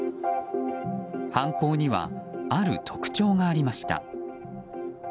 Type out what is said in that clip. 犯行にはある特徴がありました。